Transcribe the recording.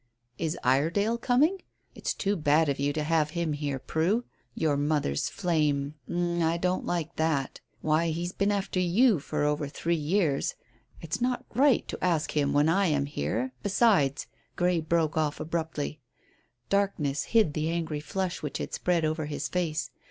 "Is Iredale coming? It's too bad of you to have him here, Prue. Your mother's flame um, I like that. Why, he's been after you for over three years. It's not right to ask him when I am here, besides " Grey broke off abruptly. Darkness hid the angry flush which had spread over his face.